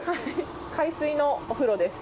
海水のお風呂です。